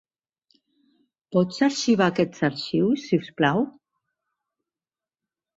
Pots arxivar aquests arxius, si us plau?